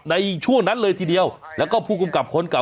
ในช่วงนั้นเลยทีเดียวแล้วก็ผู้กำกับคนเก่า